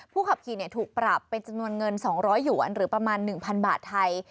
ขับขี่ถูกปรับเป็นจำนวนเงิน๒๐๐หยวนหรือประมาณ๑๐๐บาทไทย